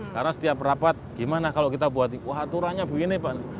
karena setiap rapat gimana kalau kita buat aturannya begini pak